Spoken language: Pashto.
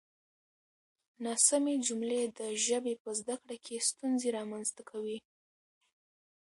ناسمې جملې د ژبې په زده کړه کې ستونزې رامنځته کوي.